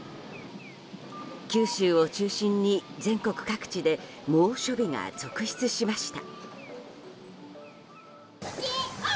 九州を中心に全国各地で猛暑日が続出しました。